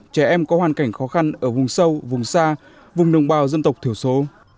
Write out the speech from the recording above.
trẻ em có hoàn cảnh khó khăn ở vùng sâu vùng xa vùng đồng bào dân tộc thiểu số